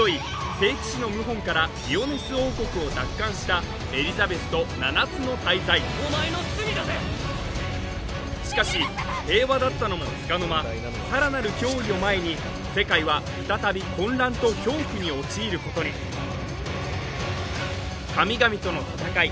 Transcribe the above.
聖騎士の謀反からリオネス王国を奪還したエリザベスと七つの大罪お前の罪だぜしかし平和だったのもつかの間さらなる脅威を前に世界は再び混乱と恐怖に陥ることに神々との戦い